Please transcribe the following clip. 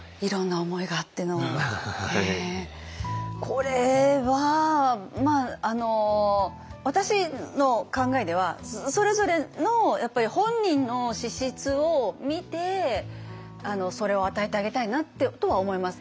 これは私の考えではそれぞれの本人の資質を見てそれを与えてあげたいなとは思います。